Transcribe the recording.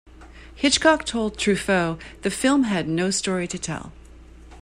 Hitchcock told Truffaut "The film had no story to tell".